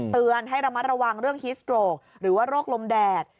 เตือนให้ระมัดระวังเรื่องฮิสโตรกหรือว่าโรคลมแดด